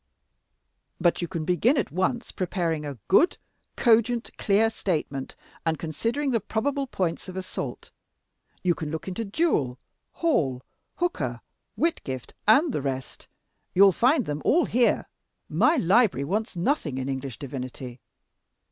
"But you can begin at once preparing a good, cogent, clear statement, and considering the probable points of assault. You can look into Jewel, Hall, Hooker, Whitgift, and the rest: you'll find them all here. My library wants nothing in English divinity.